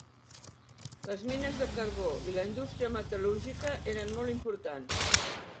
Les mines de carbó i la indústria metal·lúrgica eren molt importants.